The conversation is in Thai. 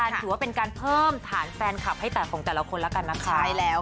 หรือว่าเป็นการเพิ่มฐานแฟนคาบให้แต่ละคนละกันนะคะ